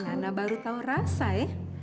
gak tahu baru tahu rasa ya